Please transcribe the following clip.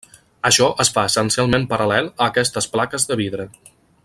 Això es fa essencialment paral·lel a aquestes plaques de vidre.